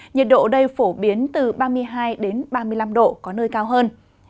nhiệt độ ở đây phổ biến từ ba mươi hai ba mươi năm độ có nơi cao hơn